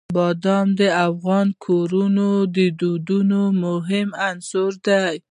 بادام د افغان کورنیو د دودونو مهم عنصر دی.